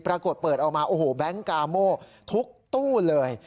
ปรากฏเปิดออกมาโอ้โหแบงค์กาโม่ทุกตู้เลย